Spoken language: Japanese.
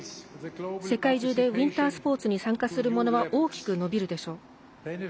世界中でウインタースポーツに参加するものは大きく伸びるでしょう。